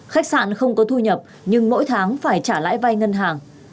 khách sạn không có thu nhập nhưng mỗi tháng phải trả lại vai ngân hàng